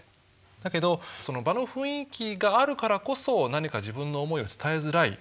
だけどその場の雰囲気があるからこそ何か自分の思いを伝えづらい。